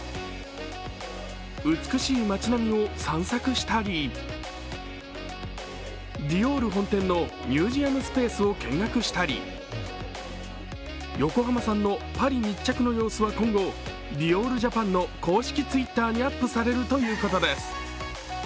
美しい街並みを散策したり、ディオール本店のミュージアムスペースを見学したり横浜さんのパリ密着の様子は今後、ディオール・ジャパンの公式Ｔｗｉｔｔｅｒにアップされるということです。